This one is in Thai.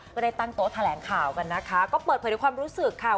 ก็ได้ตั้งโต๊ะแถลงข่าวกันนะคะก็เปิดเผยในความรู้สึกค่ะ